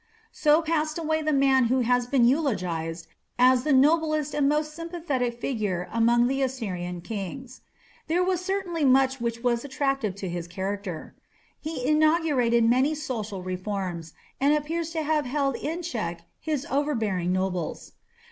So passed away the man who has been eulogized as "the noblest and most sympathetic figure among the Assyrian kings". There was certainly much which was attractive in his character. He inaugurated many social reforms, and appears to have held in check his overbearing nobles.